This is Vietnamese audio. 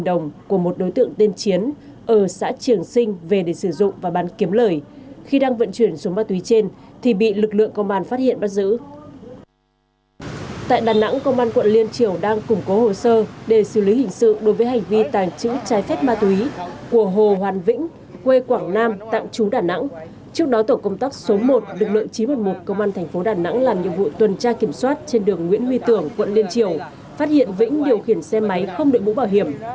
trước đó tổng công tác số một lực lượng chín trăm một mươi một công an thành phố đà nẵng làm nhiệm vụ tuần tra kiểm soát trên đường nguyễn huy tưởng quận liên triều phát hiện vĩnh điều khiển xe máy không được bũ bảo hiểm